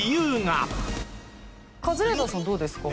カズレーザーさんどうですか？